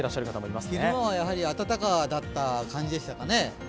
昼間は、やはり暖かだった感じですかね。